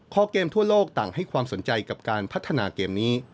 เกมทั่วโลกต่างให้ความสนใจกับการพัฒนาเกมนี้